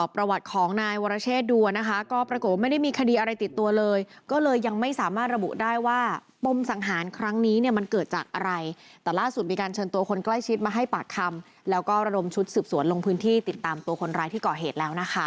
เพราะว่ามันไม่ใช่เส้นทางหลักสำหรับสัญจร